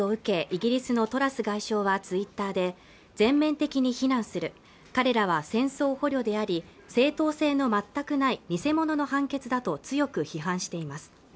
イギリスのトラス外相はツイッターで全面的に非難する彼らは戦争捕虜であり正当性の全くない偽物の判決だと強く批判しています